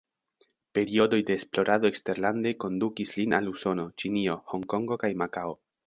Periodoj de esplorado eksterlande kondukis lin al Usono, Ĉinio, Honkongo kaj Makao.